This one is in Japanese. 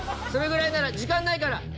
それくらいなら時間ないから。